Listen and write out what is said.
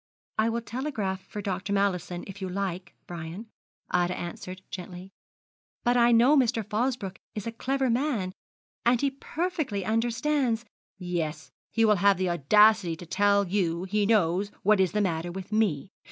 'I will telegraph for Dr. Mallison, if you like, Brian,' Ida answered, gently; 'but I know Mr. Fosbroke is a clever man, and he perfectly understands ' 'Yes, he will have the audacity to tell you he knows what is the matter with me.